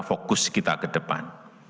fokus kita ke depan